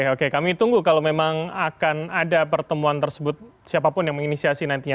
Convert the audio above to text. oke kami tunggu kalau memang akan ada pertemuan tersebut siapapun yang menginisiasi nantinya